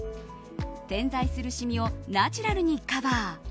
点在するシミをナチュラルにカバー。